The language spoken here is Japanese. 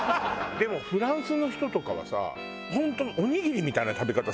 でもフランスの人とかはさ本当おにぎりみたいな食べ方するよね。